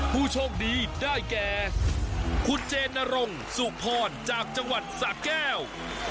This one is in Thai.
ผู้โชคดีได้แก่คุณเจนรงสุพรจากจังหวัดสะแก้ว